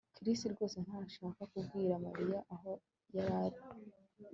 Chris rwose ntashaka kubwira Mariya aho yari ari